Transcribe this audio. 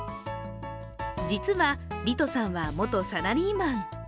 実は、リトさんは元サラリーマン。